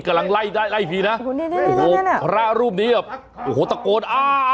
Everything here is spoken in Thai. กำลังไล่ได้ไล่ทีนะโอ้โหพระรูปนี้แบบโอ้โหตะโกนอ่า